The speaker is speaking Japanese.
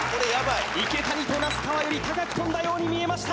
池谷と那須川より高く跳んだように見えました